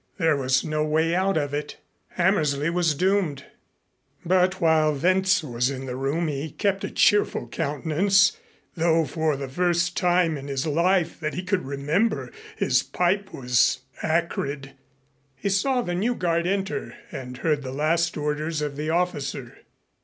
There was no way out of it. Hammersley was doomed. But while Wentz was in the room he kept a cheerful countenance, though for the first time in his life that he could remember his pipe was acrid. He saw the new guard enter and heard the last orders of the officer.